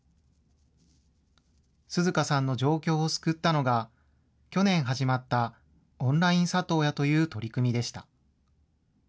涼花さんの状況を救ったのが、去年始まったオンライン里親という取り組みでした。